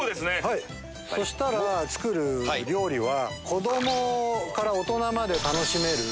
そしたら作る料理は。